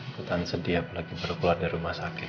tidak sedih apalagi baru keluar dari rumah sakit